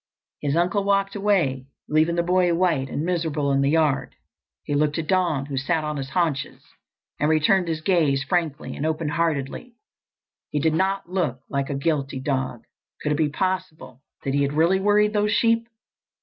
His uncle walked away, leaving the boy white and miserable in the yard. He looked at Don, who sat on his haunches and returned his gaze frankly and open heartedly. He did not look like a guilty dog. Could it be possible that he had really worried those sheep?